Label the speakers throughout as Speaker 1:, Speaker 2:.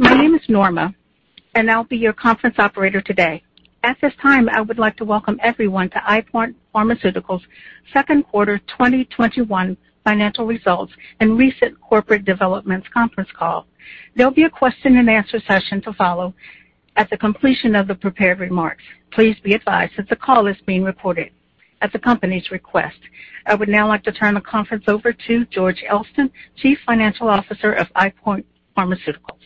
Speaker 1: My name is Norma, and I'll be your conference operator today. At this time, I would like to welcome everyone to EyePoint Pharmaceuticals' Q2 2021 financial results and recent corporate developments conference call. There'll be a question and answer session to follow at the completion of the prepared remarks. Please be advised that the call is being recorded at the company's request. I would now like to turn the conference over to George Elston, Chief Financial Officer of EyePoint Pharmaceuticals.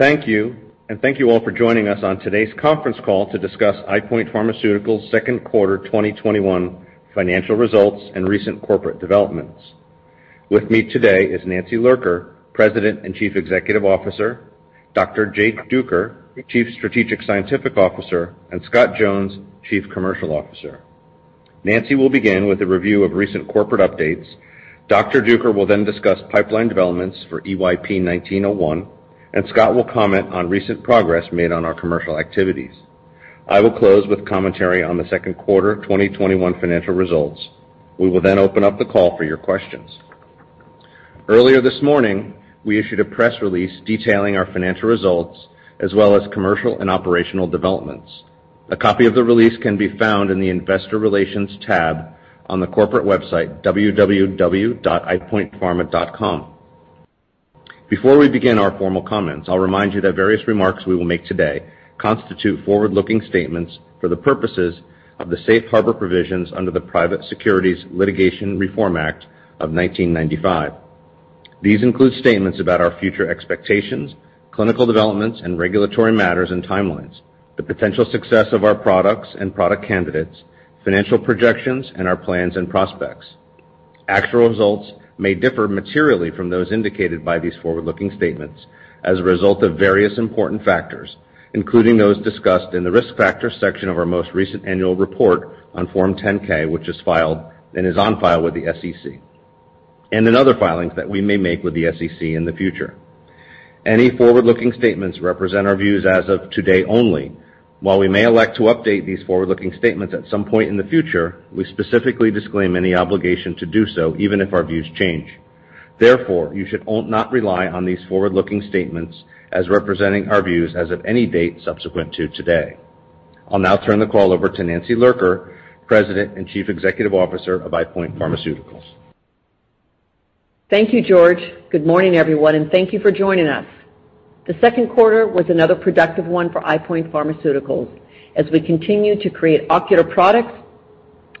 Speaker 2: Thank you, and thank you all for joining us on today's conference call to discuss EyePoint Pharmaceuticals' Q2 2021 financial results and recent corporate developments. With me today is Nancy Lurker, President and Chief Executive Officer, Dr. Jay Duker, Chief Strategic Scientific Officer, and Scott Jones, Chief Commercial Officer. Nancy will begin with a review of recent corporate updates. Dr. Duker will then discuss pipeline developments for EYP-1901, and Scott will comment on recent progress made on our commercial activities. I will close with commentary on the Q2 2021 financial results. We will then open up the call for your questions. Earlier this morning, we issued a press release detailing our financial results as well as commercial and operational developments. A copy of the release can be found in the investor relations tab on the corporate website, www.eyepointpharma.com. Before we begin our formal comments, I'll remind you that various remarks we will make today constitute forward-looking statements for the purposes of the safe harbor provisions under the Private Securities Litigation Reform Act of 1995. These include statements about our future expectations, clinical developments, and regulatory matters and timelines, the potential success of our products and product candidates, financial projections, and our plans and prospects. Actual results may differ materially from those indicated by these forward-looking statements as a result of various important factors, including those discussed in the Risk Factors section of our most recent annual report on Form 10-K, which is on file with the SEC, and in other filings that we may make with the SEC in the future. Any forward-looking statements represent our views as of today only. While we may elect to update these forward-looking statements at some point in the future, we specifically disclaim any obligation to do so, even if our views change. Therefore, you should not rely on these forward-looking statements as representing our views as of any date subsequent to today. I'll now turn the call over to Nancy Lurker, President and Chief Executive Officer of EyePoint Pharmaceuticals.
Speaker 3: Thank you, George. Good morning, everyone, thank you for joining us. The Q2 was another productive one for EyePoint Pharmaceuticals as we continue to create ocular products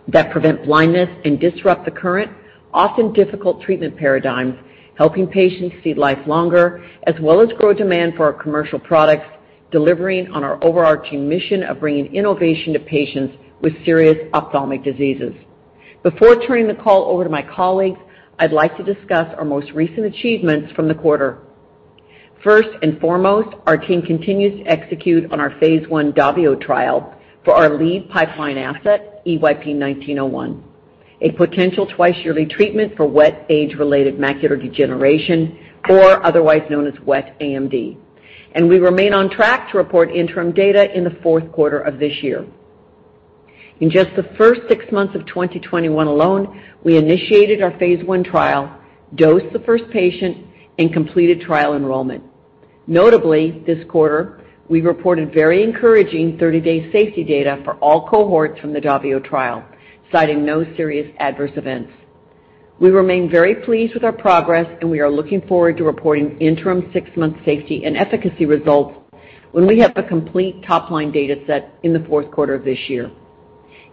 Speaker 3: that prevent blindness and disrupt the current, often difficult treatment paradigms, helping patients see life longer, as well as grow demand for our commercial products, delivering on our overarching mission of bringing innovation to patients with serious ophthalmic diseases. Before turning the call over to my colleagues, I'd like to discuss our most recent achievements from the quarter. First and foremost, our team continues to execute on our phase I DAVIO trial for our lead pipeline asset, EYP-1901, a potential twice-yearly treatment for wet age-related macular degeneration, or otherwise known as wet AMD. We remain on track to report interim data in the Q4 of this year. In just the first six months of 2021 alone, we initiated our phase I trial, dosed the first patient, and completed trial enrollment. Notably, this quarter, we reported very encouraging 30-day safety data for all cohorts from the DAVIO trial, citing no serious adverse events. We remain very pleased with our progress, and we are looking forward to reporting interim six-month safety and efficacy results when we have a complete top-line data set in the Q4 of this year.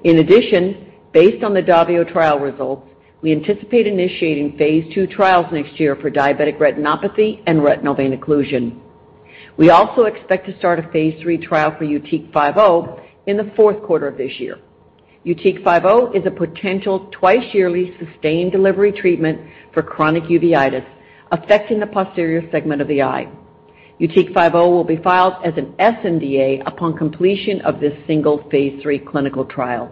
Speaker 3: In addition, based on the DAVIO trial results, we anticipate initiating phase II trials next year for diabetic retinopathy and retinal vein occlusion. We also expect to start a phase III trial for YUTIQ-50 in the Q4 of this year. YUTIQ-50 is a potential twice-yearly sustained delivery treatment for chronic uveitis affecting the posterior segment of the eye. YUTIQ-50 will be filed as an sNDA upon completion of this single phase III clinical trial.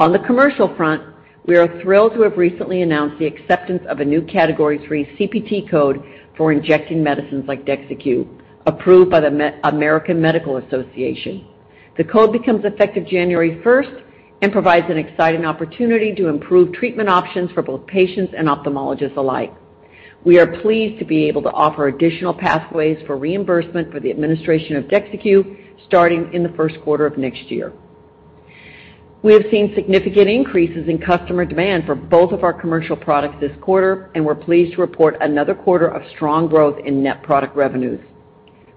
Speaker 3: On the commercial front, we are thrilled to have recently announced the acceptance of a new Category III CPT code for injecting medicines like DEXTENZA, approved by the American Medical Association. The code becomes effective January 1st and provides an exciting opportunity to improve treatment options for both patients and ophthalmologists alike. We are pleased to be able to offer additional pathways for reimbursement for the administration of DEXTENZA starting in the Q1 of next year. We have seen significant increases in customer demand for both of our commercial products this quarter, and we're pleased to report another quarter of strong growth in net product revenues.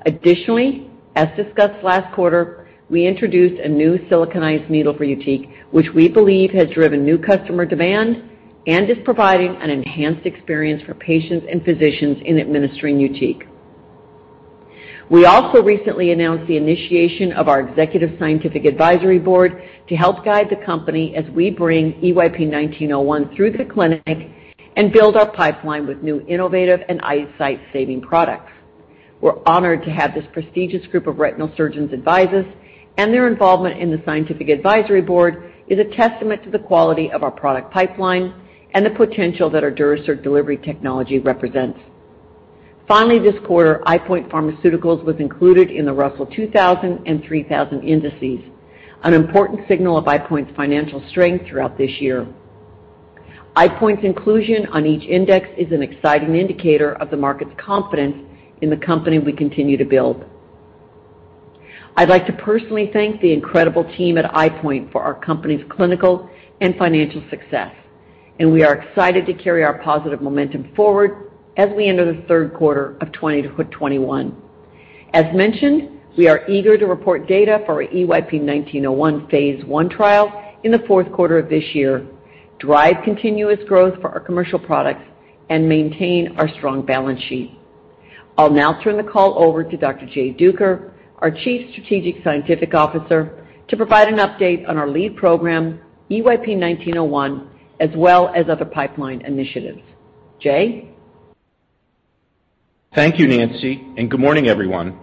Speaker 3: Additionally, as discussed last quarter, we introduced a new siliconized needle for YUTIQ®, which we believe has driven new customer demand and is providing an enhanced experience for patients and physicians in administering YUTIQ®. We also recently announced the initiation of our executive Scientific Advisory Board to help guide the company as we bring EYP-1901 through the clinic and build our pipeline with new innovative and eyesight-saving products. We're honored to have this prestigious group of retinal surgeons advise us. Their involvement in the Scientific Advisory Board is a testament to the quality of our product pipeline and the potential that our Durasert® delivery technology represents. Finally, this quarter, EyePoint Pharmaceuticals was included in the Russell 2000 and 3000 indices, an important signal of EyePoint's financial strength throughout this year. EyePoint's inclusion on each index is an exciting indicator of the market's confidence in the company we continue to build. I'd like to personally thank the incredible team at EyePoint for our company's clinical and financial success, and we are excited to carry our positive momentum forward as we enter the Q3 of 2021. As mentioned, we are eager to report data for our EYP-1901 phase I trial in the Q4 of this year, drive continuous growth for our commercial products, and maintain our strong balance sheet. I'll now turn the call over to Dr. Jay Duker, our Chief Strategic Scientific Officer, to provide an update on our lead program, EYP-1901, as well as other pipeline initiatives. Jay?
Speaker 4: Thank you, Nancy, and good morning, everyone.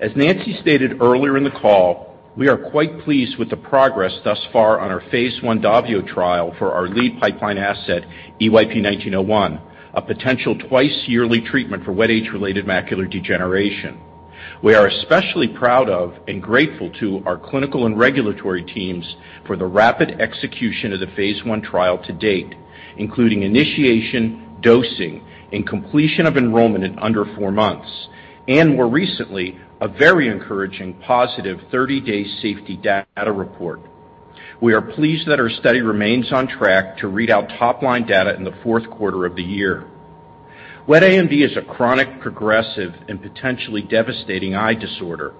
Speaker 4: As Nancy stated earlier in the call, we are quite pleased with the progress thus far on our phase I DAVIO trial for our lead pipeline asset, EYP-1901, a potential twice-yearly treatment for wet age-related macular degeneration. We are especially proud of and grateful to our clinical and regulatory teams for the rapid execution of the phase I trial to date, including initiation, dosing, and completion of enrollment in under four months. More recently, a very encouraging positive 30-day safety data report. We are pleased that our study remains on track to read out top-line data in the Q4 of the year. Wet AMD is a chronic, progressive, and potentially devastating eye disorder.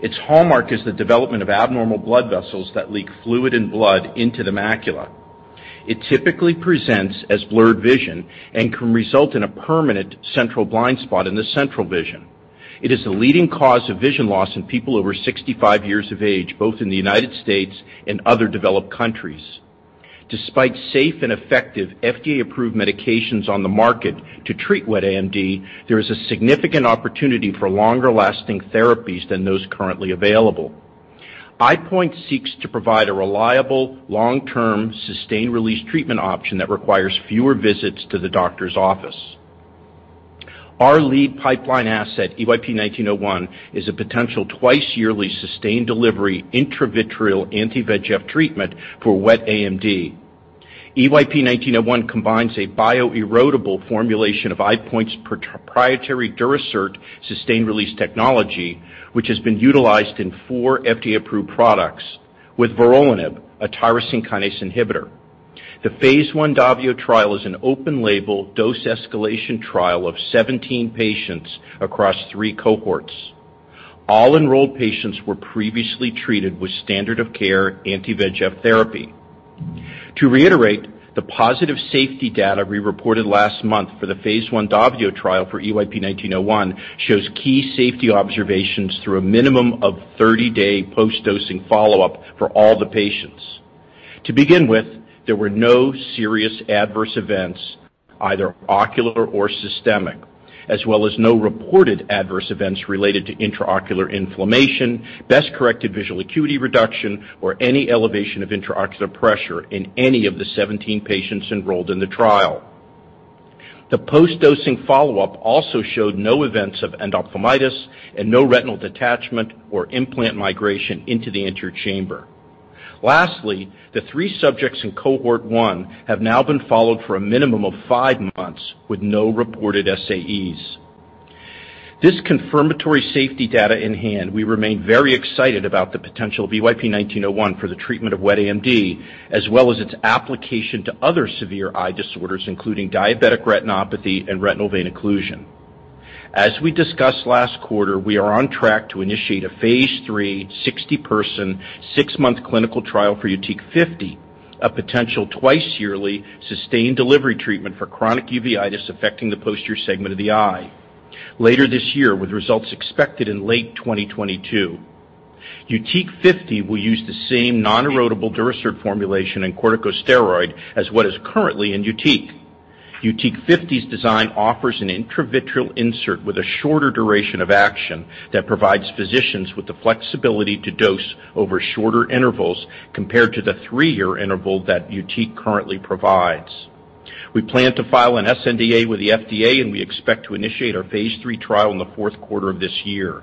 Speaker 4: Its hallmark is the development of abnormal blood vessels that leak fluid and blood into the macula. It typically presents as blurred vision and can result in a permanent central blind spot in the central vision. It is the leading cause of vision loss in people over 65 years of age, both in the United States and other developed countries. Despite safe and effective FDA-approved medications on the market to treat wet AMD, there is a significant opportunity for longer-lasting therapies than those currently available. EyePoint seeks to provide a reliable, long-term, sustained-release treatment option that requires fewer visits to the doctor's office. Our lead pipeline asset, EYP-1901, is a potential twice-yearly sustained delivery intravitreal anti-VEGF treatment for wet AMD. EYP-1901 combines a bio-erodible formulation of EyePoint's proprietary Durasert® sustained release technology, which has been utilized in four FDA-approved products with vorolanib, a tyrosine kinase inhibitor. The phase I DAVIO trial is an open-label dose escalation trial of 17 patients across three cohorts. All enrolled patients were previously treated with standard of care anti-VEGF therapy. To reiterate, the positive safety data we reported last month for the phase I DAVIO trial for EYP-1901 shows key safety observations through a minimum of 30-day post-dosing follow-up for all the patients. To begin with, there were no serious adverse events, either ocular or systemic, as well as no reported adverse events related to intraocular inflammation, best-corrected visual acuity reduction, or any elevation of intraocular pressure in any of the 17 patients enrolled in the trial. The post-dosing follow-up also showed no events of endophthalmitis and no retinal detachment or implant migration into the anterior chamber. Lastly, the three subjects in cohort one have now been followed for a minimum of five months with no reported SAEs. This confirmatory safety data in hand, we remain very excited about the potential of EYP-1901 for the treatment of wet AMD, as well as its application to other severe eye disorders, including diabetic retinopathy and retinal vein occlusion. As we discussed last quarter, we are on track to initiate a phase III 60-person, six-month clinical trial for YUTIQ-50, a potential twice-yearly sustained delivery treatment for chronic uveitis affecting the posterior segment of the eye later this year, with results expected in late 2022. YUTIQ-50 will use the same non-erodible Durasert® formulation and corticosteroid as what is currently in YUTIQ® . YUTIQ-50's design offers an intravitreal insert with a shorter duration of action that provides physicians with the flexibility to dose over shorter intervals compared to the three-year interval that YUTIQ® currently provides. We plan to file an sNDA with the FDA, and we expect to initiate our phase III trial in the Q4 of this year.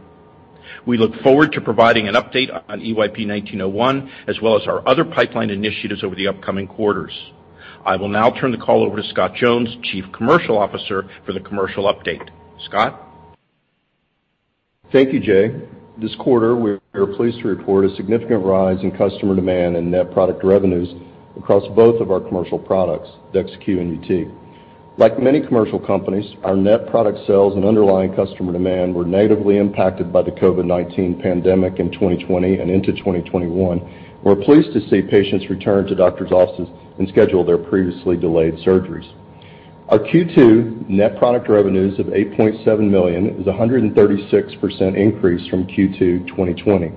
Speaker 4: We look forward to providing an update on EYP-1901, as well as our other pipeline initiatives over the upcoming quarters. I will now turn the call over to Scott Jones, Chief Commercial Officer, for the commercial update. Scott?
Speaker 5: Thank you, Jay. This quarter, we are pleased to report a significant rise in customer demand and net product revenues across both of our commercial products, DEXYCU® and YUTIQ®. Like many commercial companies, our net product sales and underlying customer demand were negatively impacted by the COVID-19 pandemic in 2020 and into 2021. We're pleased to see patients return to doctors' offices and schedule their previously delayed surgeries. Our Q2 net product revenues of $8.7 million is 136% increase from Q2 2020.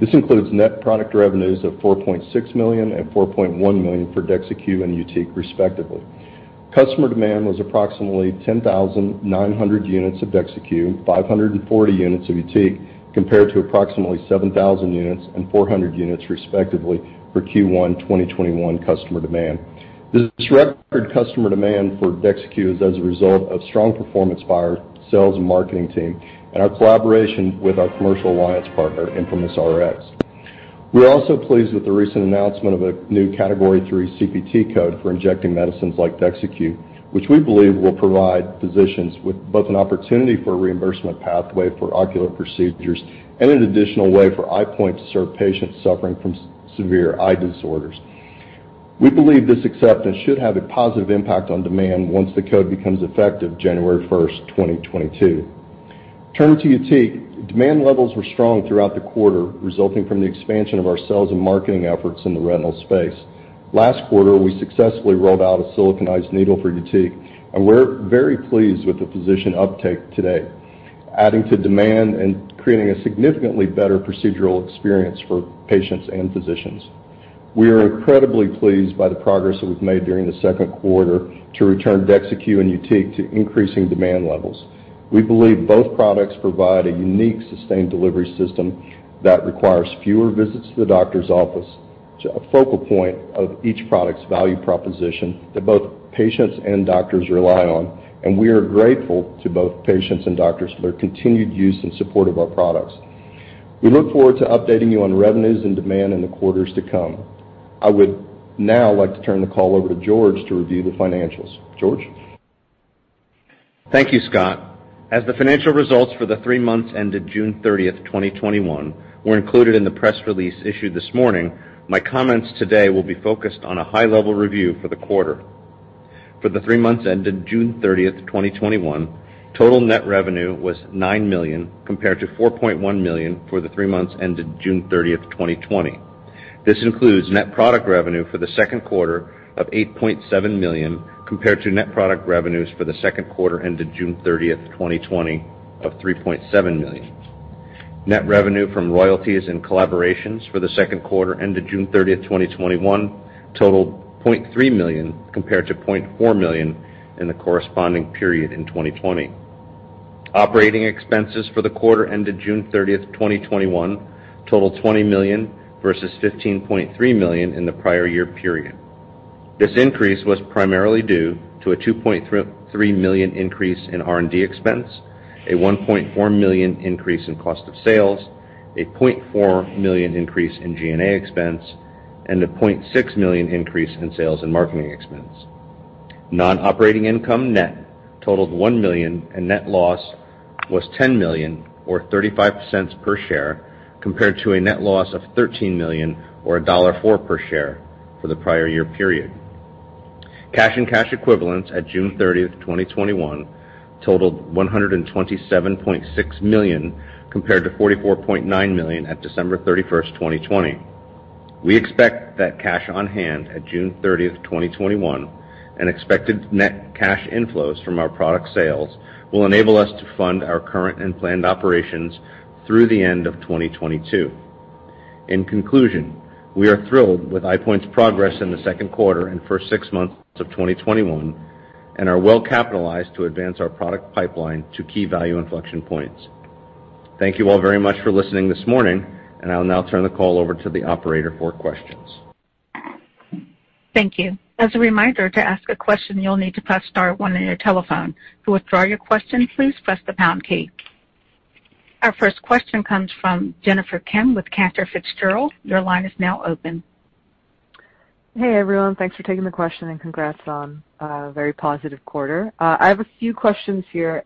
Speaker 5: This includes net product revenues of $4.6 million and $4.1 million for DEXYCU® and YUTIQ® respectively. Customer demand was approximately 10,900 units of DEXYCU®, 540 units of YUTIQ®, compared to approximately 7,000 units and 400 units respectively for Q1 2021 customer demand. This record customer demand for DEXTENZA is as a result of strong performance by our sales and marketing team and our collaboration with our commercial alliance partner, ImprimisRx. We're also pleased with the recent announcement of a new Category III CPT code for injecting medicines like DEXTENZA, which we believe will provide physicians with both an opportunity for a reimbursement pathway for ocular procedures and an additional way for EyePoint to serve patients suffering from severe eye disorders. We believe this acceptance should have a positive impact on demand once the code becomes effective January 1st, 2022. Turning to YUTIQ®, demand levels were strong throughout the quarter, resulting from the expansion of our sales and marketing efforts in the retinal space. Last quarter, we successfully rolled out a siliconized needle for YUTIQ®. We're very pleased with the physician uptake today, adding to demand and creating a significantly better procedural experience for patients and physicians. We are incredibly pleased by the progress that we've made during the Q2 to return DEXTENZA and YUTIQ® to increasing demand levels. We believe both products provide a unique sustained delivery system that requires fewer visits to the doctor's office, a focal point of each product's value proposition that both patients and doctors rely on. We are grateful to both patients and doctors for their continued use and support of our products. We look forward to updating you on revenues and demand in the quarters to come. I would now like to turn the call over to George to review the financials. George?
Speaker 2: Thank you, Scott. As the financial results for the three months ended June 30th, 2021 were included in the press release issued this morning, my comments today will be focused on a high-level review for the quarter. For the three months ended June 30th, 2021, total net revenue was $9 million compared to $4.1 million for the three months ended June 30th, 2020. This includes net product revenue for the Q2 of $8.7 million compared to net product revenues for the Q2 ended June 30th, 2020 of $3.7 million. Net revenue from royalties and collaborations for the Q2 ended June 30th, 2021 totaled $0.3 million compared to $0.4 million in the corresponding period in 2020. Operating expenses for the quarter ended June 30th, 2021 totaled $20 million versus $15.3 million in the prior year period. This increase was primarily due to a $2.3 million increase in R&D expense, a $1.4 million increase in cost of sales, a $0.4 million increase in G&A expense, and a $0.6 million increase in sales and marketing expense. Non-operating income net totaled $1 million, and net loss was $10 million, or $0.35 per share, compared to a net loss of $13 million or $1.04 per share for the prior year period. Cash and cash equivalents at June 30th, 2021 totaled $127.6 million compared to $44.9 million at December 31st, 2020. We expect that cash on hand at June 30th, 2021, and expected net cash inflows from our product sales will enable us to fund our current and planned operations through the end of 2022. In conclusion, we are thrilled with EyePoint's progress in the Q2 and first six months of 2021 and are well-capitalized to advance our product pipeline to key value inflection points. Thank you all very much for listening this morning, and I will now turn the call over to the operator for questions.
Speaker 1: Thank you. As a reminder, to ask a question, you'll need to press star one on your telephone. To withdraw your question, please press the pound key. Our first question comes from Jennifer Kim with Cantor Fitzgerald. Your line is now open.
Speaker 6: Hey, everyone. Thanks for taking the question and congrats on a very positive quarter. I have a few questions here.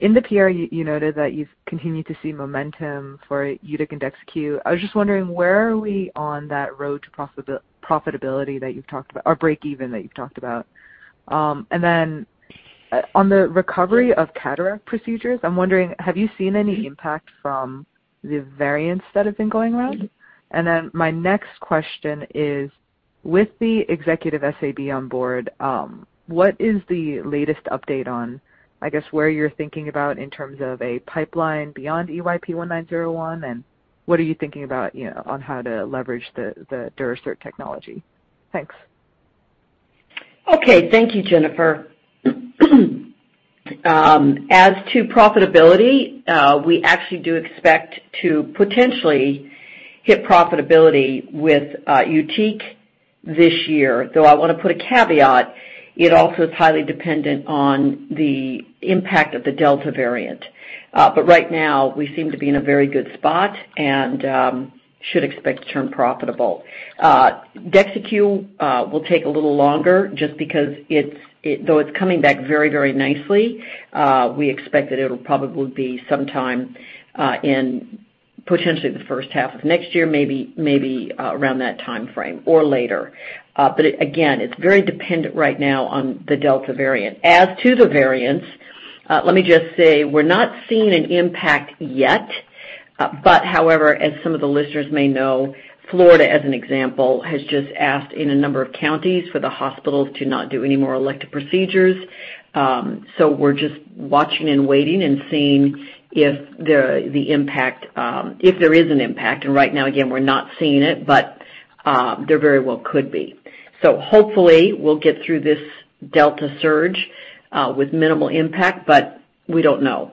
Speaker 6: In the PR, you noted that you've continued to see momentum for YUTIQ® and DEXTENZA. I was just wondering, where are we on that road to profitability that you've talked about or break even that you've talked about? On the recovery of cataract procedures, I'm wondering, have you seen any impact from the variants that have been going around? My next question is, with the executive SAB on board, what is the latest update on, I guess, where you're thinking about in terms of a pipeline beyond EYP-1901, and what are you thinking about on how to leverage the Durasert technology? Thanks.
Speaker 3: Okay. Thank you, Jennifer. As to profitability, we actually do expect to potentially hit profitability with YUTIQ® this year, though I want to put a caveat. It also is highly dependent on the impact of the Delta variant. Right now, we seem to be in a very good spot and should expect to turn profitable. DEXTENZA will take a little longer just because though it's coming back very nicely, we expect that it'll probably be sometime in potentially the H1 of next year, maybe around that timeframe or later. Again, it's very dependent right now on the Delta variant. As to the variants, let me just say we're not seeing an impact yet. However, as some of the listeners may know, Florida, as an example, has just asked in a number of counties for the hospitals to not do any more elective procedures. We're just watching and waiting and seeing if there is an impact. Right now, again, we're not seeing it, but there very well could be. Hopefully we'll get through this Delta surge with minimal impact, but we don't know.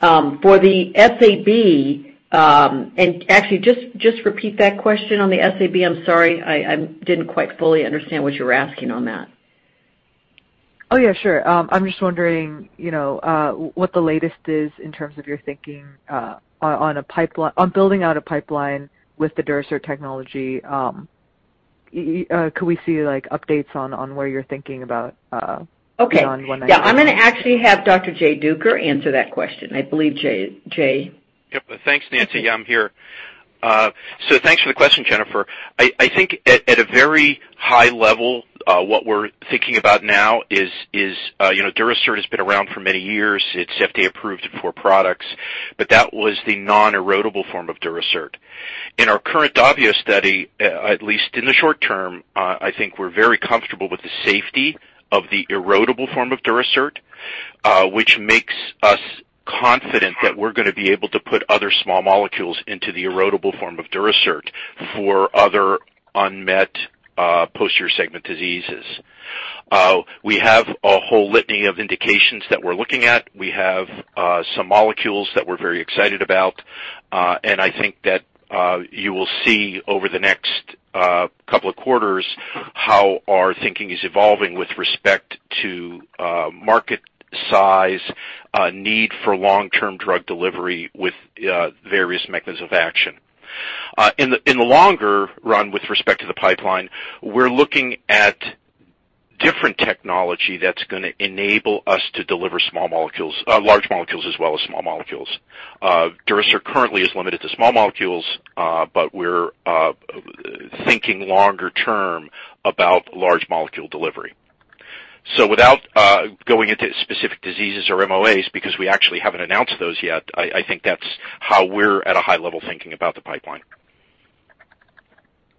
Speaker 3: For the SAB, and actually, just repeat that question on the SAB. I'm sorry. I didn't quite fully understand what you were asking on that.
Speaker 6: Oh, yeah, sure. I'm just wondering what the latest is in terms of your thinking on building out a pipeline with the Durasert® technology. Could we see updates on where you're thinking about?
Speaker 3: Okay.
Speaker 6: Beyond when?
Speaker 3: I'm going to actually have Dr. Jay Duker answer that question. I believe, Jay.
Speaker 4: Yep. Thanks, Nancy. I'm here. Thanks for the question, Jennifer. I think at a very high level, what we're thinking about now is Durasert® has been around for many years. It's FDA approved 4 products, that was the non-erodIble form of Durasert®. In our current DAVIO study, at least in the short term, I think we're very comfortable with the safety of the erodIble form of Durasert®, which makes us confident that we're going to be able to put other small molecules into the erodIble form of Durasert® for other unmet posterior segment diseases. We have a whole litany of indications that we're looking at. We have some molecules that we're very excited about. I think that you will see over the next couple of quarters how our thinking is evolving with respect to market size, need for long-term drug delivery with various mechanisms of action. In the longer run, with respect to the pipeline, we're looking at different technology that's going to enable us to deliver large molecules as well as small molecules. Durasert® currently is limited to small molecules, but we're thinking longer term about large molecule delivery. Without going into specific diseases or MOAs, because we actually haven't announced those yet, I think that's how we're at a high level thinking about the pipeline.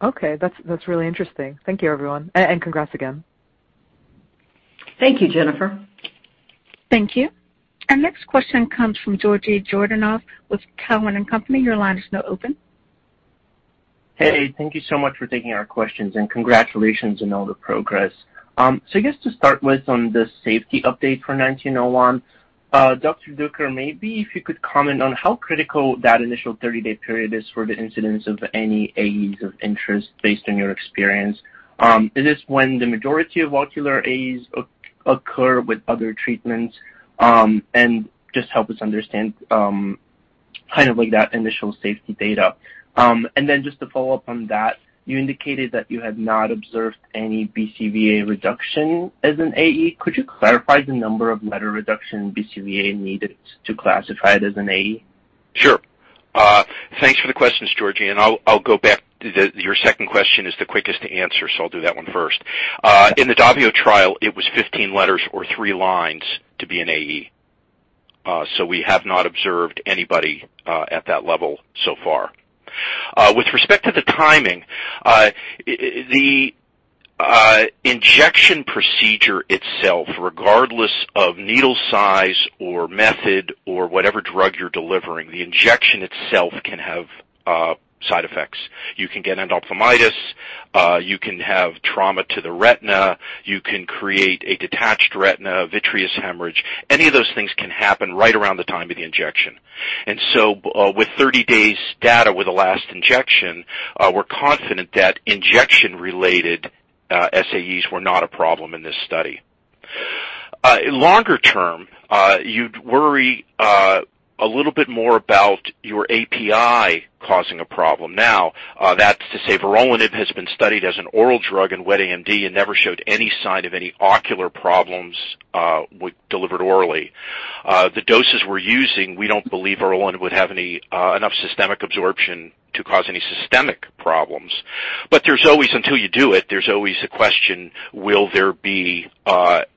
Speaker 6: Okay. That's really interesting. Thank you, everyone. Congrats again.
Speaker 3: Thank you, Jennifer.
Speaker 1: Thank you. Our next question comes from Georgi Yordanov with Cowen and Company. Your line is now open.
Speaker 7: Hey, thank you so much for taking our questions, congratulations on all the progress. I guess to start with on the safety update for 1901, Dr. Duker, maybe if you could comment on how critical that initial 30-day period is for the incidence of any AEs of interest based on your experience. Is this when the majority of ocular AEs occur with other treatments? Just help us understand that initial safety data. Just to follow up on that, you indicated that you had not observed any BCVA reduction as an AE. Could you clarify the number of letter reduction in BCVA needed to classify it as an AE?
Speaker 4: Sure. Thanks for the questions, Georgi. I'll go back to the, your second question is the quickest to answer, so I'll do that one first. In the DAVIO trial, it was 15 letters or three lines to be an AE. We have not observed anybody at that level so far. With respect to the timing, the injection procedure itself, regardless of needle size or method or whatever drug you're delivering, the injection itself can have side effects. You can get endophthalmitis. You can have trauma to the retina. You can create a detached retina, vitreous hemorrhage. Any of those things can happen right around the time of the injection. With 30 days data with the last injection, we're confident that injection-related SAEs were not a problem in this study. Longer term, you'd worry a little bit more about your API causing a problem. That's to say vorolanib has been studied as an oral drug in wet AMD and never showed any sign of any ocular problems delivered orally. The doses we're using, we don't believe vorolanib would have enough systemic absorption to cause any systemic problems. There's always, until you do it, there's always a question, will there be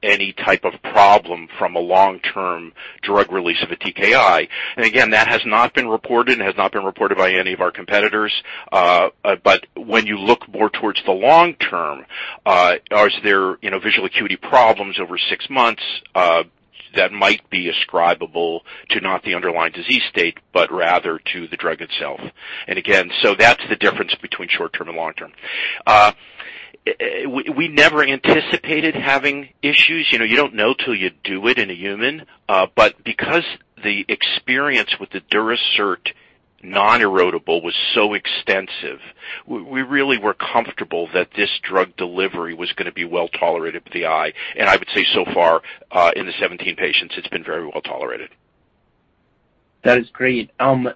Speaker 4: any type of problem from a long-term drug release of a TKI? Again, that has not been reported and has not been reported by any of our competitors. When you look more towards the long term, are there visual acuity problems over six months that might be ascribable to not the underlying disease state, but rather to the drug itself? Again, that's the difference between short term and long term. We never anticipated having issues. You don't know till you do it in a human. Because the experience with the Durasert® non-erodIble was so extensive, we really were comfortable that this drug delivery was going to be well-tolerated with the eye. I would say so far, in the 17 patients, it's been very well-tolerated.
Speaker 7: That is great. Finally,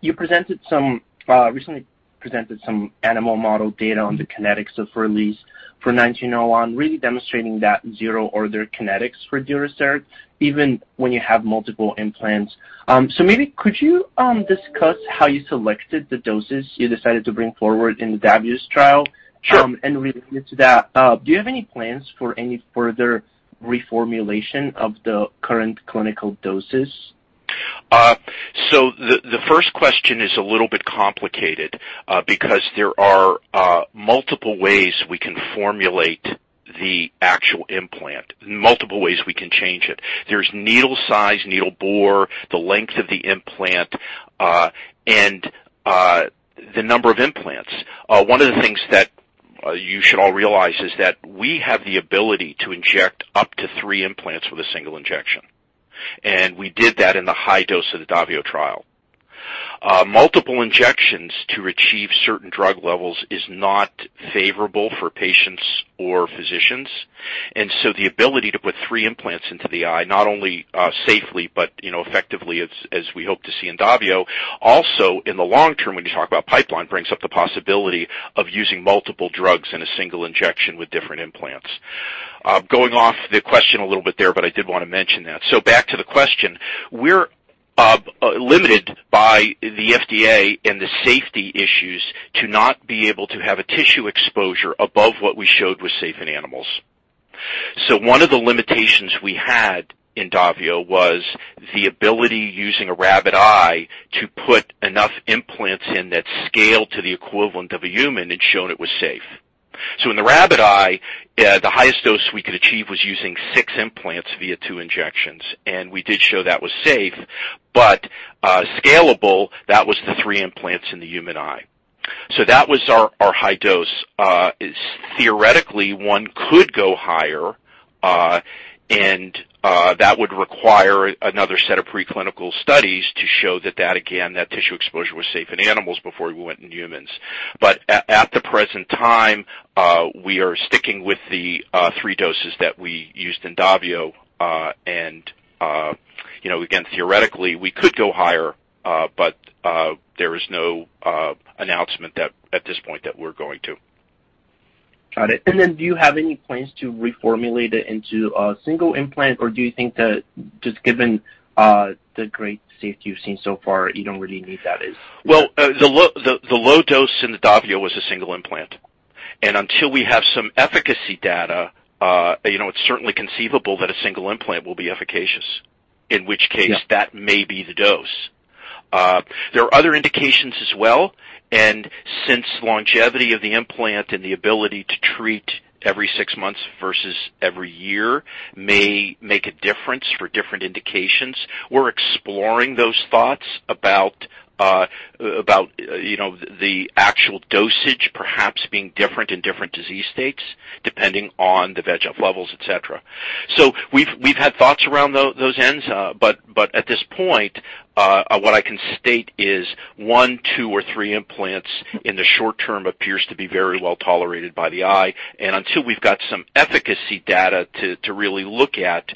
Speaker 7: you recently presented some animal model data on the kinetics of release for 1901, really demonstrating that zero-order kinetics for Durasert®, even when you have multiple implants. Maybe could you discuss how you selected the doses you decided to bring forward in the DAVIO trial?
Speaker 4: Sure.
Speaker 7: Related to that, do you have any plans for any further reformulation of the current clinical doses?
Speaker 4: The first question is a little bit complicated because there are multiple ways we can formulate the actual implant, multiple ways we can change it. There's needle size, needle bore, the length of the implant, and the number of implants. One of the things that you should all realize is that we have the ability to inject up to three implants with a single injection. We did that in the high dose of the DAVIO trial. Multiple injections to achieve certain drug levels is not favorable for patients or physicians. The ability to put three implants into the eye, not only safely, but effectively, as we hope to see in DAVIO, also in the long term, when you talk about pipeline, brings up the possibility of using multiple drugs in a single injection with different implants. Going off the question a little bit there, I did want to mention that. Back to the question, we're limited by the FDA and the safety issues to not be able to have a tissue exposure above what we showed was safe in animals. One of the limitations we had in DAVIO was the ability, using a rabbit eye, to put enough implants in that scale to the equivalent of a human and shown it was safe. In the rabbit eye, the highest dose we could achieve was using six implants via two injections, and we did show that was safe, but scalable, that was the three implants in the human eye. That was our high dose. Theoretically, one could go higher. That would require another set of preclinical studies to show that tissue exposure was safe in animals before we went in humans. At the present time, we are sticking with the three doses that we used in DAVIO. Again, theoretically, we could go higher. There is no announcement at this point that we're going to.
Speaker 7: Got it. Do you have any plans to reformulate it into a single implant, or do you think that just given the great safety you've seen so far, you don't really need that?
Speaker 4: Well, the low dose in the DAVIO was a single implant. Until we have some efficacy data, it's certainly conceivable that a single implant will be efficacious, in which case that may be the dose. There are other indications as well, and since longevity of the implant and the ability to treat every six months versus every year may make a difference for different indications, we're exploring those thoughts about the actual dosage perhaps being different in different disease states, depending on the VEGF levels, et cetera. We've had thoughts around those ends, but at this point, what I can state is one, two, or three implants in the short term appears to be very well tolerated by the eye. Until we've got some efficacy data to really look at,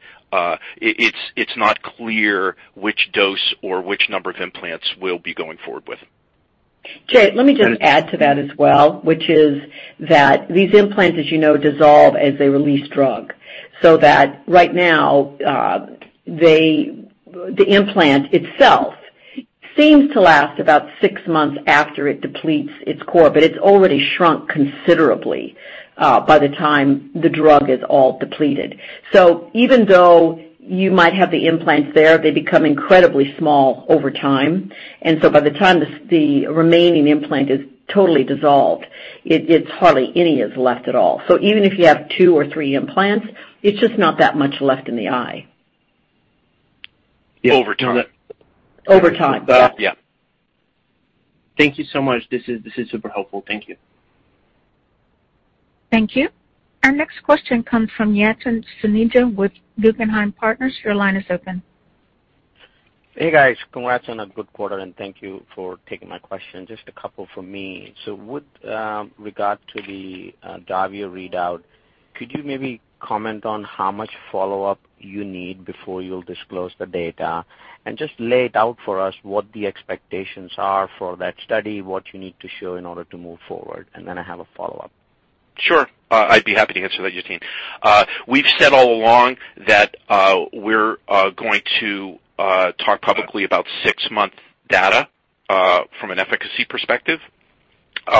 Speaker 4: it's not clear which dose or which number of implants we'll be going forward with.
Speaker 3: Jay, let me just add to that as well, which is that these implants, as you know, dissolve as they release drug. Right now, the implant itself seems to last about six months after it depletes its core, but it's already shrunk considerably by the time the drug is all depleted. Even though you might have the implants there, they become incredibly small over time. By the time the remaining implant is totally dissolved, it's hardly any is left at all. Even if you have two or three implants, it's just not that much left in the eye.
Speaker 4: Over time.
Speaker 3: Over time, yeah.
Speaker 4: Yeah.
Speaker 7: Thank you so much. This is super helpful. Thank you.
Speaker 1: Thank you. Our next question comes from Yatin Suneja with Guggenheim Partners. Your line is open.
Speaker 8: Hey, guys. Congrats on a good quarter, and thank you for taking my question. Just a couple from me. With regard to the DAVIO readout, could you maybe comment on how much follow-up you need before you'll disclose the data? Just lay it out for us what the expectations are for that study, what you need to show in order to move forward. I have a follow-up.
Speaker 4: Sure. I'd be happy to answer that, Yatin. We've said all along that we're going to talk publicly about six-month data from an efficacy perspective.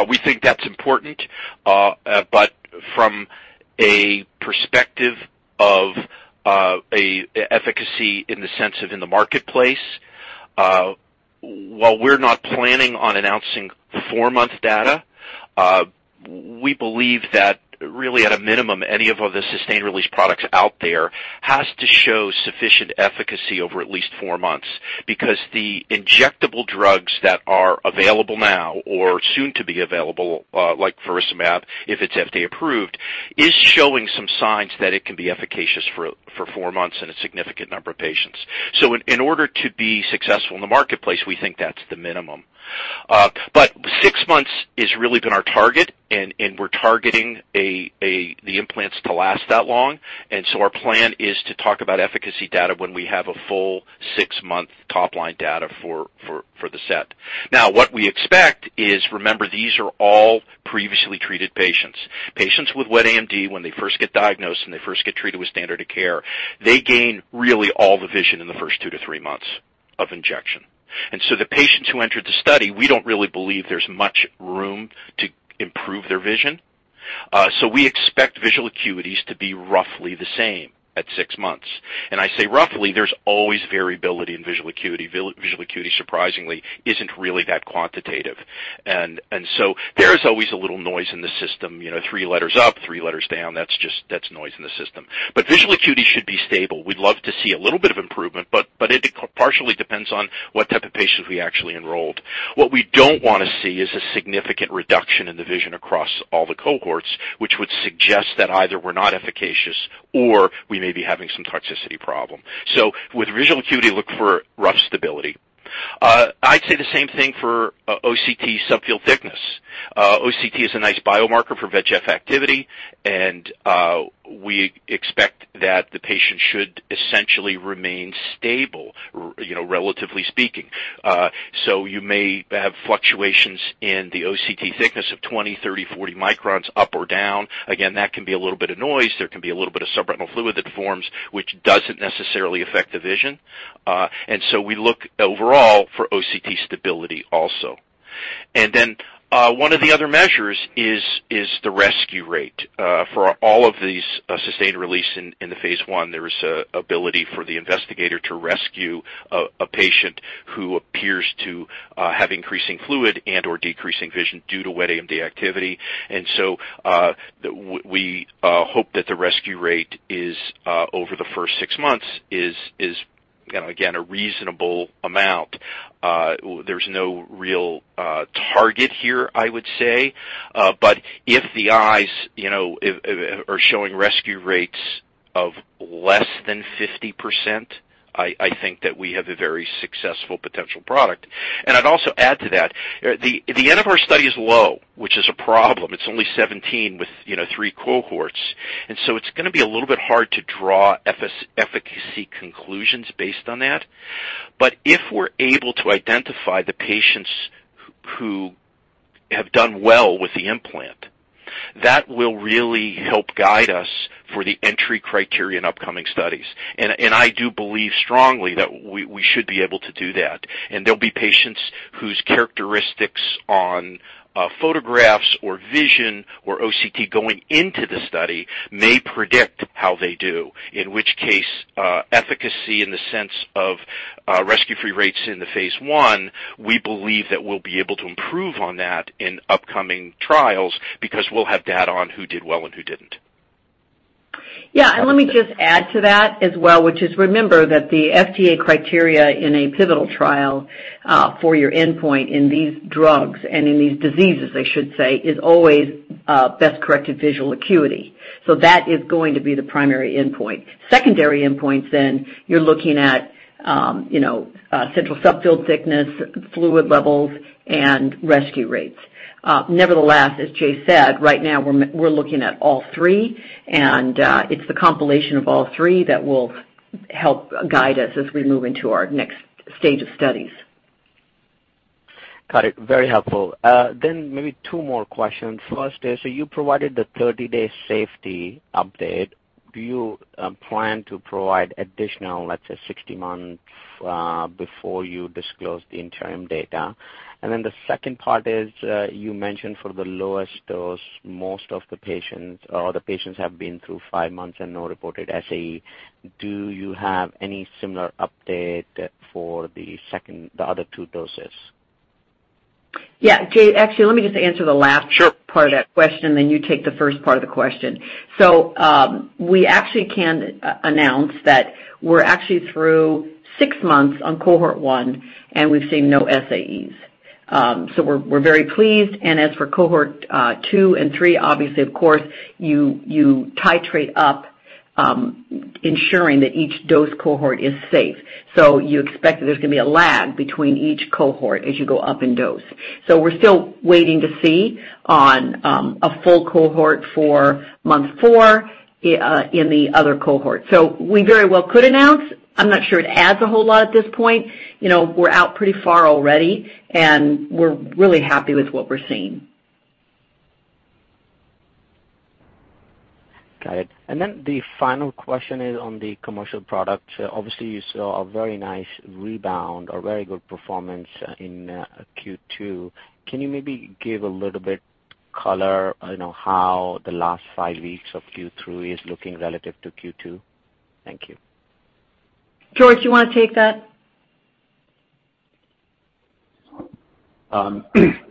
Speaker 4: We think that's important. From a perspective of efficacy in the sense of in the marketplace, while we're not planning on announcing six-month data, we believe that really at a minimum, any of the sustained release products out there has to show sufficient efficacy over at least four months because the injectable drugs that are available now or soon to be available, like faricimab, if it's FDA approved, is showing some signs that it can be efficacious for four months in a significant number of patients. In order to be successful in the marketplace, we think that's the minimum. Six months has really been our target, and we're targeting the implants to last that long. Our plan is to talk about efficacy data when we have a full six-month top-line data for the set. What we expect is, remember, these are all previously treated patients. Patients with wet AMD, when they first get diagnosed and they first get treated with standard of care, they gain really all the vision in the first two to three months of injection. The patients who entered the study, we don't really believe there's much room to improve their vision. We expect visual acuities to be roughly the same at six months. I say roughly, there's always variability in visual acuity. Visual acuity, surprisingly, isn't really that quantitative. There is always a little noise in the system, three letters up, three letters down. That's noise in the system. Visual acuity should be stable. We'd love to see a little bit of improvement. It partially depends on what type of patients we actually enrolled. What we don't want to see is a significant reduction in the vision across all the cohorts, which would suggest that either we're not efficacious or we may be having some toxicity problem. With visual acuity, look for rough stability. I'd say the same thing for OCT subfield thickness. OCT is a nice biomarker for VEGF activity. We expect that the patient should essentially remain stable, relatively speaking. You may have fluctuations in the OCT thickness of 20, 30, 40 microns up or down. Again, that can be a little bit of noise. There can be a little bit of subretinal fluid that forms, which doesn't necessarily affect the vision. We look overall for OCT stability also. One of the other measures is the rescue rate. For all of these sustained release in the phase I, there is ability for the investigator to rescue a patient who appears to have increasing fluid and/or decreasing vision due to wet AMD activity. We hope that the rescue rate over the first six months is, again, a reasonable amount. There's no real target here, I would say. If the eyes are showing rescue rates of less than 50%, I think that we have a very successful potential product. I'd also add to that, the N of our study is low, which is a problem. It's only 17 with three cohorts, it's going to be a little bit hard to draw efficacy conclusions based on that. If we're able to identify the patients who have done well with the implant, that will really help guide us for the entry criteria in upcoming studies. I do believe strongly that we should be able to do that, and there'll be patients whose characteristics on photographs or vision or OCT going into the study may predict how they do, in which case, efficacy in the sense of rescue free rates in the phase I, we believe that we'll be able to improve on that in upcoming trials because we'll have data on who did well and who didn't.
Speaker 3: Yeah. Let me just add to that as well, which is, remember that the FDA criteria in a pivotal trial, for your endpoint in these drugs and in these diseases, I should say, is always best-corrected visual acuity. That is going to be the primary endpoint. Secondary endpoints, then you're looking at central subfield thickness, fluid levels, and rescue rates. Nevertheless, as Jay said, right now we're looking at all three, and it's the compilation of all three that will help guide us as we move into our next stage of studies.
Speaker 8: Got it. Very helpful. Maybe two more questions. First is, so you provided the 30-day safety update. Do you plan to provide additional, let's say, 60 months, before you disclose the interim data? The second part is, you mentioned for the lowest dose, most of the patients or the patients have been through five months and no reported SAE. Do you have any similar update for the other 2 doses?
Speaker 3: Yeah. Jay, actually, let me just answer the last part of that question, then you take the first part of the question.
Speaker 4: Sure
Speaker 3: We actually can announce that we're actually through six months on cohort one, and we've seen no SAEs. We're very pleased. As for cohort two and three, obviously, of course, you titrate up ensuring that each dose cohort is safe. You expect that there's going to be a lag between each cohort as you go up in dose. We're still waiting to see on a full cohort for month four in the other cohort. We very well could announce. I'm not sure it adds a whole lot at this point. We're out pretty far already, and we're really happy with what we're seeing.
Speaker 8: Got it. The final question is on the commercial product. Obviously, you saw a very nice rebound or very good performance in Q2. Can you maybe give a little bit color on how the last five weeks of Q3 is looking relative to Q2? Thank you.
Speaker 3: George, you want to take that?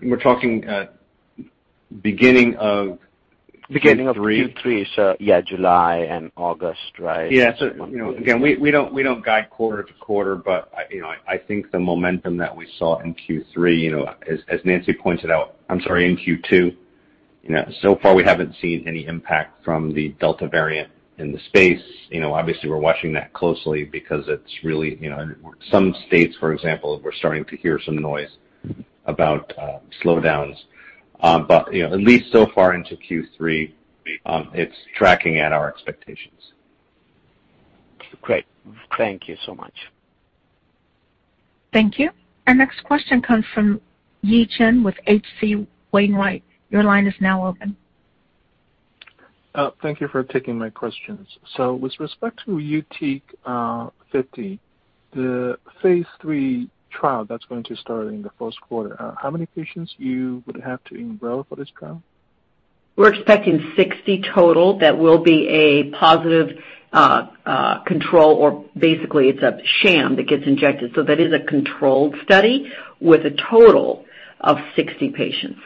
Speaker 2: We're talking beginning of Q3?
Speaker 8: Beginning of Q3. Yeah, July and August, right?
Speaker 2: Yeah. Again, we don't guide quarter to quarter, I think the momentum that we saw in Q3 as Nancy Lurker pointed out, I'm sorry, in Q2, so far we haven't seen any impact from the Delta variant in the space. Obviously, we're watching that closely because some states, for example, we're starting to hear some noise about slowdowns. At least so far into Q3, it's tracking at our expectations.
Speaker 8: Great. Thank you so much.
Speaker 1: Thank you. Our next question comes from Yi Chen with H.C. Wainwright. Your line is now open.
Speaker 9: Thank you for taking my questions. With respect to YUTIQ-50, the phase III trial that's going to start in the Q1, how many patients you would have to enroll for this trial?
Speaker 3: We're expecting 60 total. That will be a positive control, or basically it's a sham that gets injected. That is a controlled study with a total of 60 patients.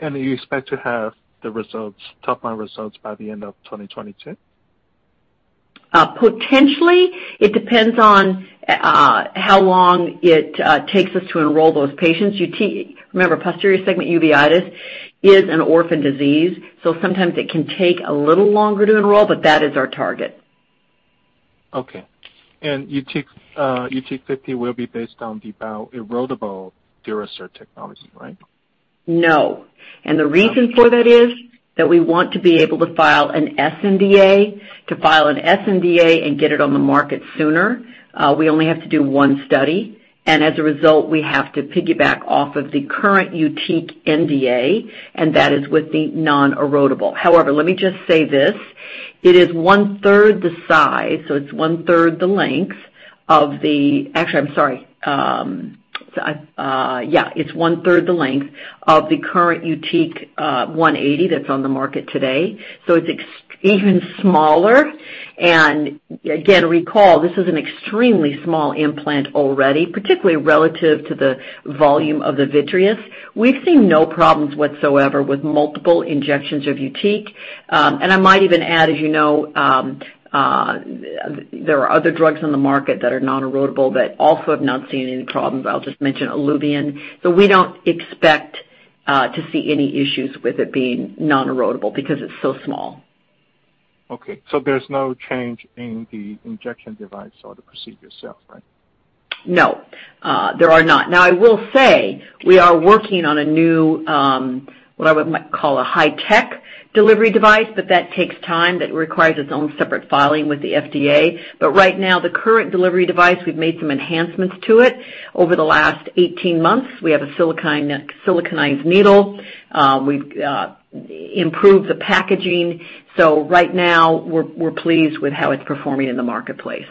Speaker 9: You expect to have the results, top-line results by the end of 2022?
Speaker 3: Potentially. It depends on how long it takes us to enroll those patients. Remember, posterior segment uveitis is an orphan disease, sometimes it can take a little longer to enroll, but that is our target.
Speaker 9: Okay. YUTIQ-50 will be based on the bio-erodible Durasert® technology, right?
Speaker 3: No. The reason for that is that we want to be able to file an sNDA. To file an sNDA and get it on the market sooner, we only have to do one study, and as a result, we have to piggyback off of the current YUTIQ NDA, and that is with the non-erodible. However, let me just say this, it is one-third the size, so it's one-third the length of the Actually, I'm sorry. Yeah. It's one-third the length of the current YUTIQ 180 mg that's on the market today. It's even smaller, and again, recall, this is an extremely small implant already, particularly relative to the volume of the vitreous. We've seen no problems whatsoever with multiple injections of YUTIQ®. I might even add, as you know, there are other drugs on the market that are non-erodible that also have not seen any problems. I'll just mention ILUVIEN. We don't expect to see any issues with it being non-erodible because it's so small.
Speaker 9: Okay, there's no change in the injection device or the procedure itself, right?
Speaker 3: No. There are not. I will say we are working on a new, what I would call, a high-tech delivery device, but that takes time. That requires its own separate filing with the FDA. Right now, the current delivery device, we've made some enhancements to it over the last 18 months. We have a siliconized needle. We've improved the packaging. Right now we're pleased with how it's performing in the marketplace.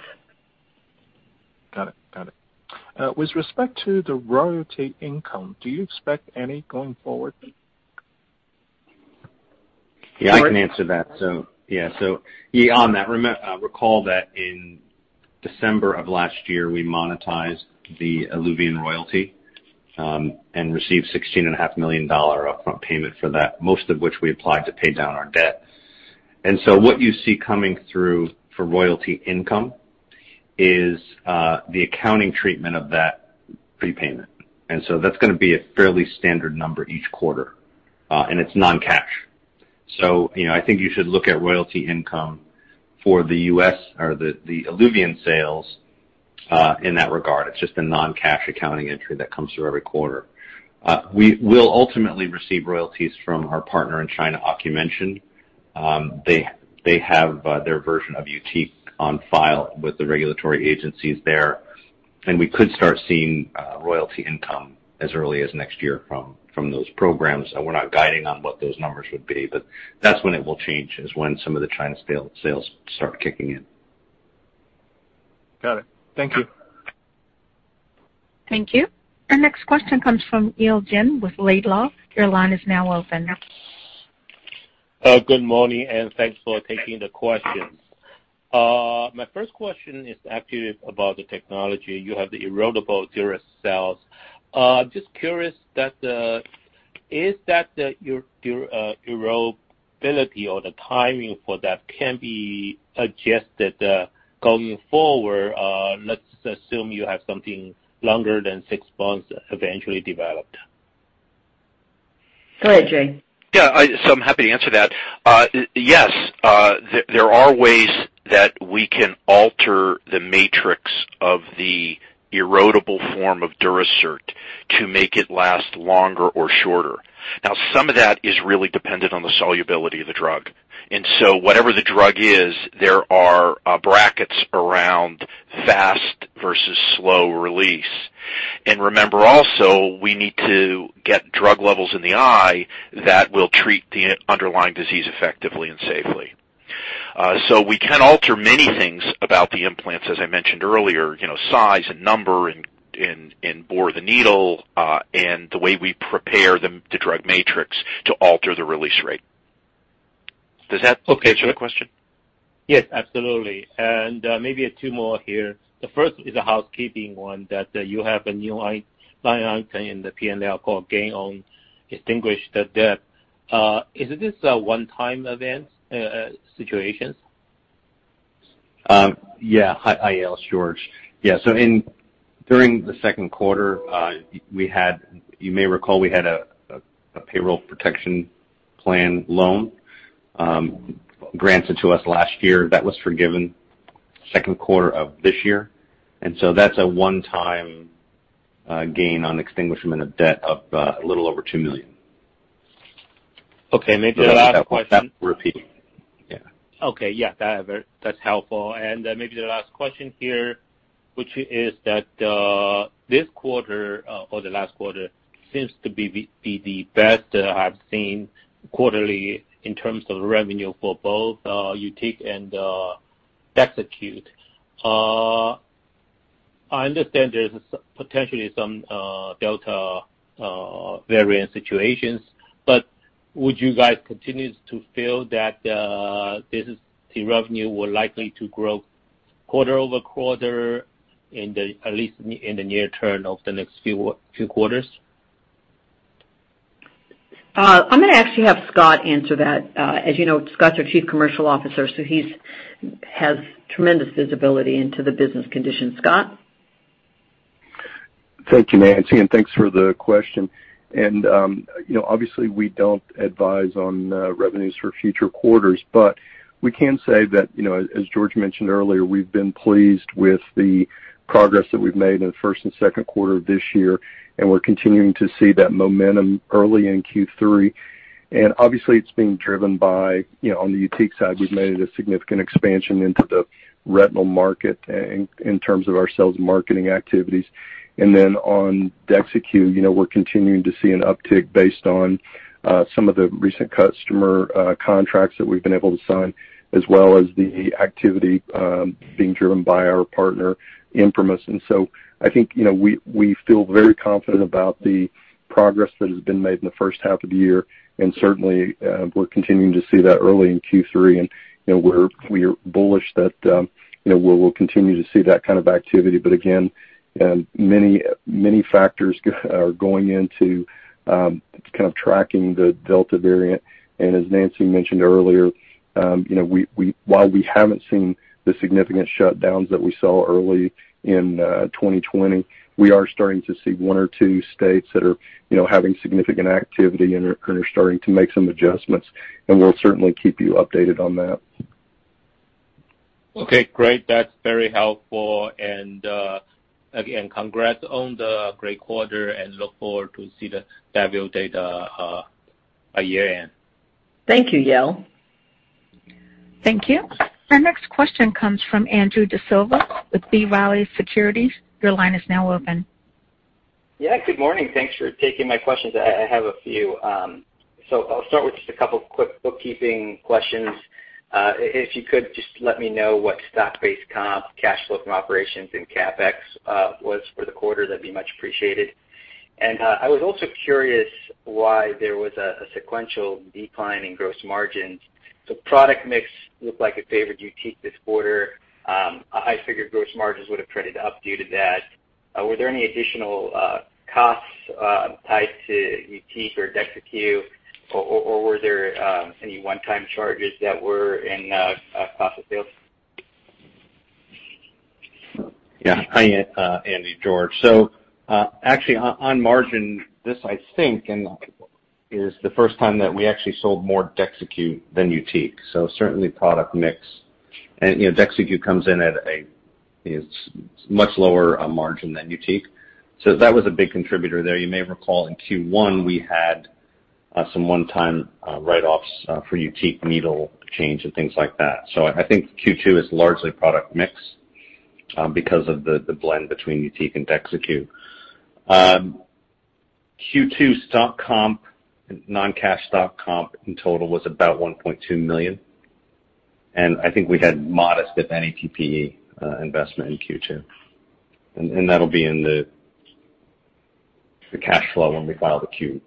Speaker 9: Got it. With respect to the royalty income, do you expect any going forward?
Speaker 2: Yeah, I can answer that. Yeah. On that, recall that in December of last year, we monetized the ILUVIEN royalty, received $16.5million upfront payment for that, most of which we applied to pay down our debt. What you see coming through for royalty income is the accounting treatment of that prepayment. That's going to be a fairly standard number each quarter. It's non-cash. I think you should look at royalty income for the ILUVIEN sales in that regard. It's just a non-cash accounting entry that comes through every quarter. We will ultimately receive royalties from our partner in China, Ocumension. They have their version of YUTIQ® on file with the regulatory agencies there, and we could start seeing royalty income as early as next year from those programs. We're not guiding on what those numbers would be, but that's when it will change, is when some of the China sales start kicking in.
Speaker 9: Got it. Thank you.
Speaker 1: Thank you. Our next question comes from Yale Jen with Laidlaw. Your line is now open.
Speaker 10: Good morning, thanks for taking the questions. My first question is actually about the technology. You have the erodible Durasert®. Just curious, is that your erodibility or the timing for that can be adjusted, going forward, let's assume you have something longer than six months eventually developed?
Speaker 3: Go ahead, Jay.
Speaker 4: Yeah. I'm happy to answer that. Yes. There are ways that we can alter the matrix of the erodible form of Durasert® to make it last longer or shorter. Some of that is really dependent on the solubility of the drug. Whatever the drug is, there are brackets around fast versus slow release. Remember also, we need to get drug levels in the eye that will treat the underlying disease effectively and safely. We can alter many things about the implants, as I mentioned earlier, size and number and bore of the needle, and the way we prepare the drug matrix to alter the release rate. Does that answer the question?
Speaker 10: Yes, absolutely. Maybe 2 more here. The first is a housekeeping one, that you have a new line item in the P&L called gain on extinguished debt. Is this a one-time event situation?
Speaker 2: Hi, Yale. It's George. During the Q2, you may recall we had a Paycheck Protection Program loan granted to us last year. That was forgiven Q2 of this year. That's a one-time gain on extinguishment of debt of a little over $2 million.
Speaker 10: Okay, maybe the last question.
Speaker 2: Without repeating. Yeah.
Speaker 10: Okay. Yeah. That's helpful. Maybe the last question here, which is that this quarter, or the last quarter seems to be the best I've seen quarterly in terms of revenue for both YUTIQ® and DEXYCU®. I understand there's potentially some Delta variant situations, would you guys continue to feel that the revenue will likely to grow quarter-over-quarter, at least in the near term of the next few quarters?
Speaker 3: I'm going to actually have Scott answer that. As you know, Scott's our Chief Commercial Officer, so he has tremendous visibility into the business conditions. Scott?
Speaker 5: Thank you, Nancy, and thanks for the question. Obviously we don't advise on revenues for future quarters, but we can say that, as George mentioned earlier, we've been pleased with the progress that we've made in the Q1 and Q2 of this year, and we're continuing to see that momentum early in Q3. Obviously it's being driven by, on the YUTIQ side, we've made a significant expansion into the retinal market in terms of our sales and marketing activities. On DEXTENZA, we're continuing to see an uptick based on some of the recent customer contracts that we've been able to sign, as well as the activity being driven by our partner, ImprimisRx. I think, we feel very confident about the progress that has been made in the H1 of the year. Certainly, we're continuing to see that early in Q3. We are bullish that we'll continue to see that kind of activity. Again, many factors are going into kind of tracking the Delta variant. As Nancy mentioned earlier, while we haven't seen the significant shutdowns that we saw early in 2020, we are starting to see one or two states that are having significant activity and are starting to make some adjustments. We'll certainly keep you updated on that.
Speaker 10: Okay, great. That's very helpful. Again, congrats on the great quarter and look forward to see the wet AMD data at year-end.
Speaker 3: Thank you, Yale.
Speaker 1: Thank you. Our next question comes from Andrew D'Silva with B. Riley Securities. Your line is now open.
Speaker 11: Good morning. Thanks for taking my questions. I have a few. I'll start with just a couple quick bookkeeping questions. If you could just let me know what stock-based comp, cash flow from operations, and CapEx was for the quarter, that'd be much appreciated. I was also curious why there was a sequential decline in gross margins. Product mix looked like it favored YUTIQ® this quarter. I figured gross margins would've traded up due to that. Were there any additional costs tied to YUTIQ® or DEXTENZA, or were there any one-time charges that were in cost of sales?
Speaker 2: Yeah. Hi, Andy. George. Actually on margin, this I think is the first time that we actually sold more DEXTENZA than YUTIQ®. Certainly product mix. DEXTENZA comes in at a much lower margin than YUTIQ®. That was a big contributor there. You may recall in Q1 we had some one-time write-offs for YUTIQ® needle change and things like that. I think Q2 is largely product mix because of the blend between YUTIQ® and DEXTENZA. Q2 stock comp and non-cash stock comp in total was about $1.2 million. I think we had modest, if any PPE investment in Q2. That'll be in the cash flow when we file the Q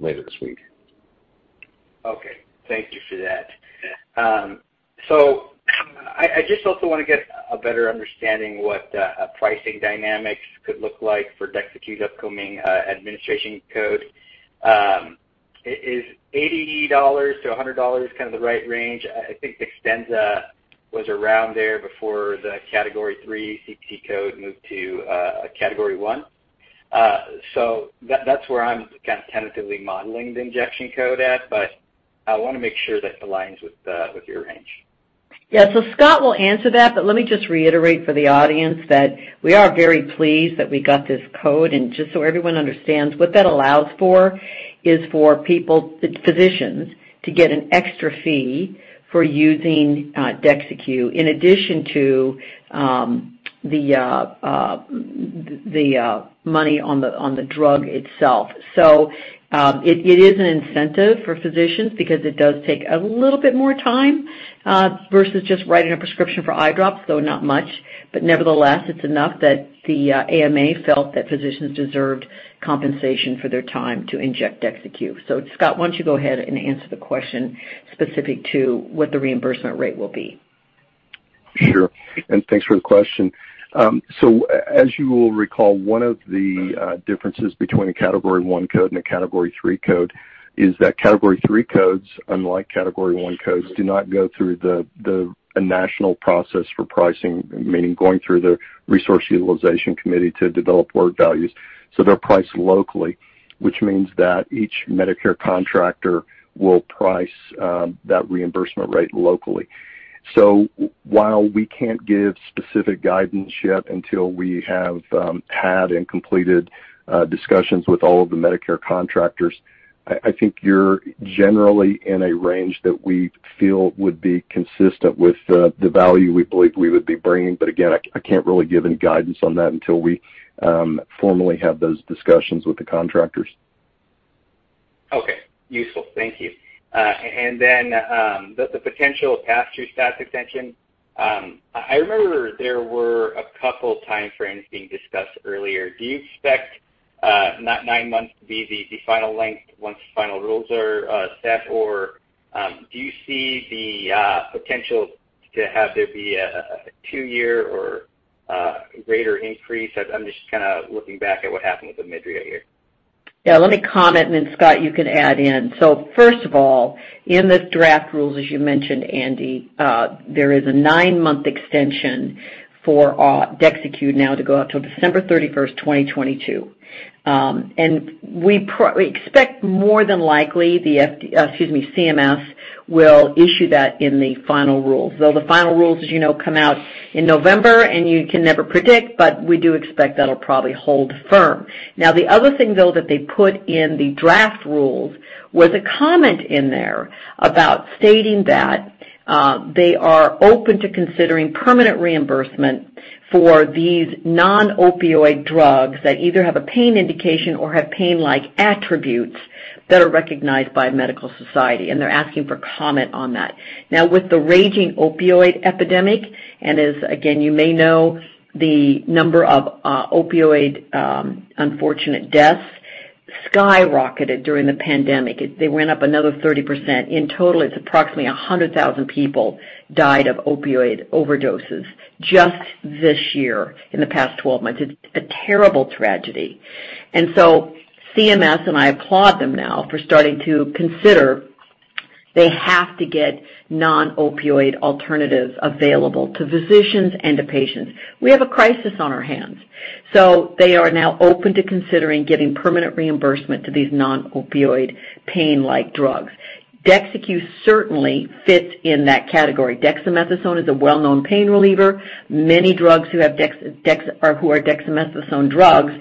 Speaker 2: later this week.
Speaker 11: Okay. Thank you for that. I just also want to get a better understanding what pricing dynamics could look like for DEXYCU®'s upcoming administration code. Is $80-$100 kind of the right range? I think DEXTENZA was around there before the Category III CPT code moved to a Category I. That's where I'm kind of tentatively modeling the injection code at, but I want to make sure that aligns with your range.
Speaker 3: Yeah. Scott will answer that, let me just reiterate for the audience that we are very pleased that we got this code. Just so everyone understands, what that allows for is for physicians to get an extra fee for using DEXYCU® in addition to the money on the drug itself. It is an incentive for physicians because it does take a little bit more time versus just writing a prescription for eye drops, though not much. Nevertheless, it's enough that the AMA felt that physicians deserved compensation for their time to inject DEXYCU®. Scott, why don't you go ahead and answer the question specific to what the reimbursement rate will be.
Speaker 5: Sure. Thanks for the question. As you will recall, one of the differences between a Category I code and a Category III code is that Category III codes, unlike Category I codes, do not go through a national process for pricing, meaning going through the Resource Utilization Committee to develop work values. They're priced locally, which means that each Medicare contractor will price that reimbursement rate locally. While we can't give specific guidance yet until we have had and completed discussions with all of the Medicare contractors, I think you're generally in a range that we feel would be consistent with the value we believe we would be bringing. Again, I can't really give any guidance on that until we formally have those discussions with the contractors.
Speaker 11: Okay. Useful. Thank you. The potential of pass-through status extension. I remember there were a couple time frames being discussed earlier. Do you expect nine months to be the final length once the final rules are set? Do you see the potential to have there be a two-year or greater increase? I'm just kind of looking back at what happened with the MYDRIASERT.
Speaker 3: Yeah, let me comment, and then Scott, you can add in. First of all, in this draft rules, as you mentioned, Andrew D'Silva, there is a nine-month extension for dexamethasone now to go out till December 31st, 2022. We expect more than likely CMS will issue that in the final rule. The final rules, as you know, come out in November, and you can never predict, but we do expect that'll probably hold firm. The other thing, though, that they put in the draft rules was a comment in there about stating that they are open to considering permanent reimbursement for these non-opioid drugs that either have a pain indication or have pain-like attributes that are recognized by medical society, and they're asking for comment on that. With the raging opioid epidemic, as again, you may know, the number of opioid unfortunate deaths skyrocketed during the pandemic. They went up another 30%. In total, it's approximately 100,000 people died of opioid overdoses just this year in the past 12 months. It's a terrible tragedy. CMS, and I applaud them now for starting to consider they have to get non-opioid alternatives available to physicians and to patients. We have a crisis on our hands. They are now open to considering giving permanent reimbursement to these non-opioid pain-like drugs. Dexamethasone certainly fits in that category. Dexamethasone is a well-known pain reliever. Many drugs who are dexamethasone drugs,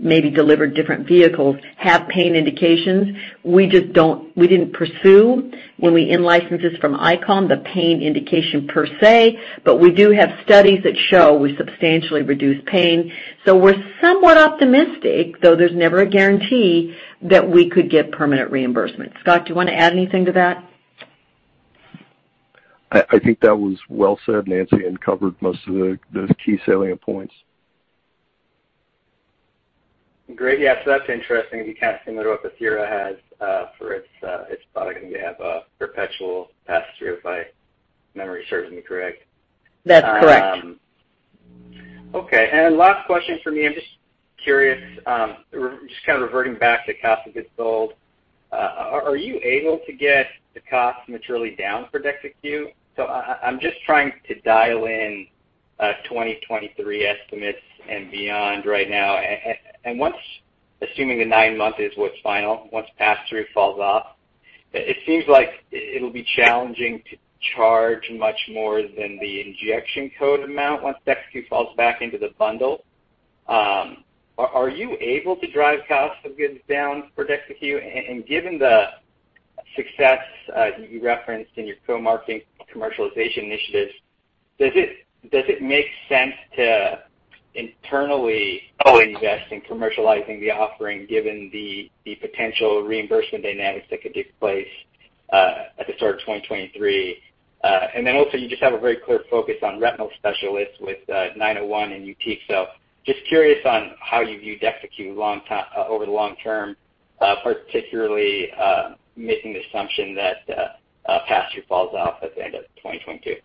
Speaker 3: maybe delivered different vehicles, have pain indications. We didn't pursue when we in-licensed this from Icon, the pain indication per se, but we do have studies that show we substantially reduce pain. We're somewhat optimistic, though there's never a guarantee, that we could get permanent reimbursement. Scott, do you want to add anything to that?
Speaker 5: I think that was well said, Nancy, and covered most of the key salient points.
Speaker 11: Great. Yeah. That's interesting. You kind of similar what Athira has for its product, and you have a perpetual pass-through if my memory serves me correct.
Speaker 3: That's correct.
Speaker 11: Okay. Last question for me, I'm just curious, just kind of reverting back to cost of goods sold. Are you able to get the cost materially down for dexamethasone? I'm just trying to dial in 2023 estimates and beyond right now. Once, assuming the nine months is what's final, once pass-through falls off, it seems like it'll be challenging to charge much more than the injection code amount once dexamethasone falls back into the bundle. Are you able to drive cost of goods down for dexamethasone? Given the success you referenced in your co-marketing commercialization initiatives, does it make sense to internally invest in commercializing the offering given the potential reimbursement dynamics that could take place at the start of 2023? Also you just have a very clear focus on retinal specialists with 901 and YUTIQ®. Just curious on how you view dexamethasone over the long term, particularly making the assumption that pass-through falls off at the end of 2022.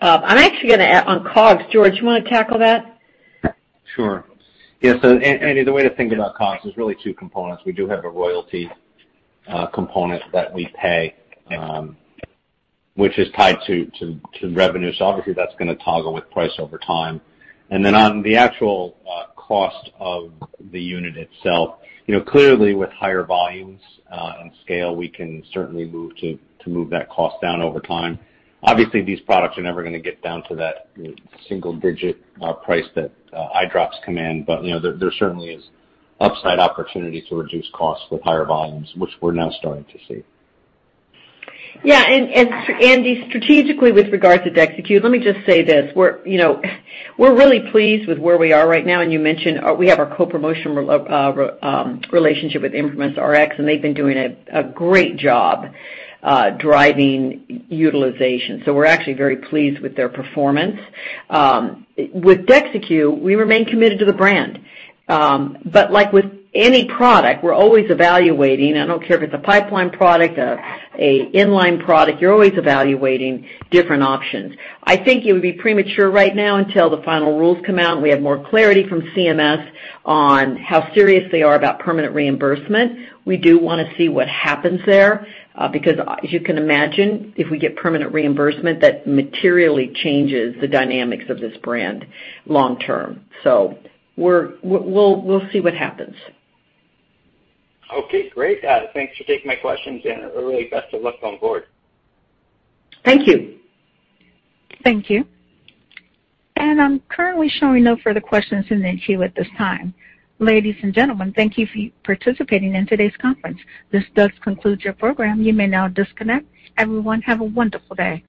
Speaker 3: I'm actually going to add on COGS. George, you want to tackle that?
Speaker 2: Sure. Yeah, Andrew, the way to think about COGS, there's really two components. We do have a royalty component that we pay, which is tied to revenue. Obviously that's going to toggle with price over time. Then on the actual cost of the unit itself, clearly with higher volumes and scale, we can certainly move that cost down over time. Obviously, these products are never going to get down to that single-digit price that eye drops come in. There certainly is upside opportunity to reduce costs with higher volumes, which we're now starting to see.
Speaker 3: Yeah. Andy, strategically with regards to dexamethasone, let me just say this. We're really pleased with where we are right now. You mentioned we have our co-promotion relationship with ImprimisRx. They've been doing a great job driving utilization. We're actually very pleased with their performance. With dexamethasone, we remain committed to the brand. Like with any product, we're always evaluating. I don't care if it's a pipeline product, a inline product. You're always evaluating different options. I think it would be premature right now until the final rules come out and we have more clarity from CMS on how serious they are about permanent reimbursement. We do want to see what happens there, because as you can imagine, if we get permanent reimbursement, that materially changes the dynamics of this brand long term. We'll see what happens.
Speaker 11: Okay, great. Thanks for taking my questions, and really best of luck on board.
Speaker 3: Thank you.
Speaker 1: Thank you. I'm currently showing no further questions in the queue at this time. Ladies and gentlemen, thank you for participating in today's conference. This does conclude your program. You may now disconnect. Everyone, have a wonderful day.